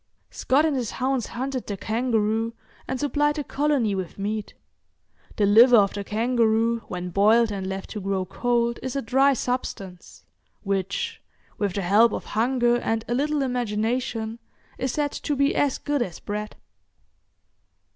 Scott and his hounds hunted the kangaroo, and supplied the colony with meat. The liver of the kangaroo when boiled and left to grow cold is a dry substance, which, with the help of hunger and a little imagination, is said to be as good as bread.